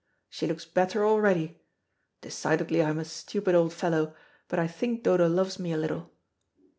She looks better already. Decidedly I am a stupid old fellow, but I think Dodo loves me a little."